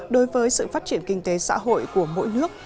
đối với sự phát triển kinh tế xã hội của mỗi nước